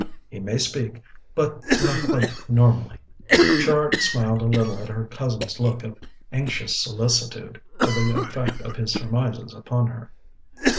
He may speak, but not quite normally." Char smiled a little at her cousin's look of anxious solicitude for the effect of his surmises upon her.